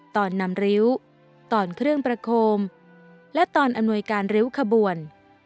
ตอนนำริ้วตอนเครื่องประโคมและตอนอำนวยการริ้วขบวน